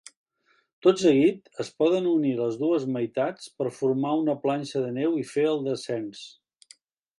Tot seguit, es poden unir les dues meitats per formar una planxa de neu i fer el descens.